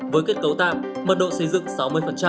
với kết cấu tạm mật độ xây dựng sáu mươi